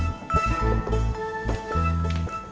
lagi lagi kita mau ke rumah